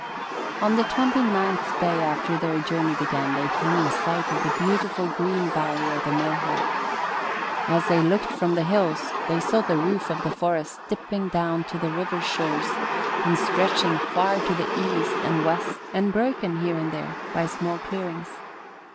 On the twenty ninth day after their journey began they came in sight of the beautiful green valley of the Mohawk. As they looked from the hills they saw the roof of the forest dipping down to the river shores and stretching far to the east and west and broken, here and there, by small clearings.